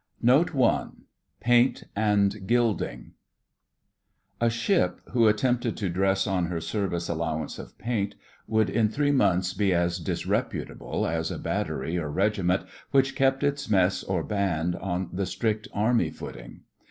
NOTES NOTE I PAINT AND GILDING A ship who attempted to dress on her service allowance of paint would in three months be as disreputable as a battery or regiment which kept its mess or band on the strict army footing.